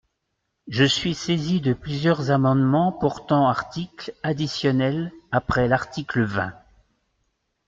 Je suis saisi de plusieurs amendements portant article additionnel après l’article vingt.